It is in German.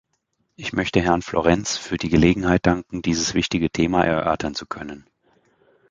Ich möchte Herrn Florenz für die Gelegenheit danken, dieses wichtige Thema erörtern zu können.